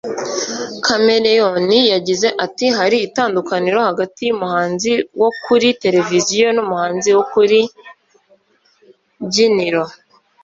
Chameleone yagize ati “Hari itandukaniro hagati y’umuhanzi wo kuri televiziyo n’umuhanzi wo ku rubyiniro